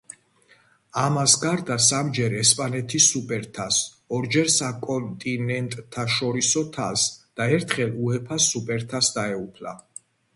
ამას გარდა სამჯერ ესპანეთის სუპერთასს, ორჯერ საკონტინენტთაშორისო თასს და ერთხელ უეფა-ს სუპერთასს დაეუფლა.